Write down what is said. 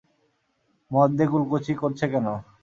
মদ দিয়ে কুলকুচি করছে কেন?